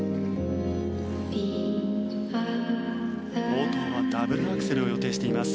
冒頭はダブルアクセルを予定しています。